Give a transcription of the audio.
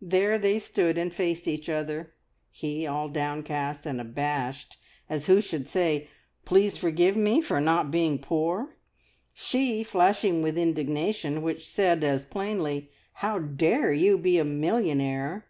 There they stood and faced each other, he all downcast and abashed, as who should say, "Please forgive me for not being poor!" she, flashing with indignation, which said as plainly, "How dare you be a millionaire!"